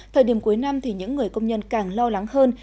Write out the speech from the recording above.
thời điểm cuối năm thì những người công nhân càng lo lắng hơn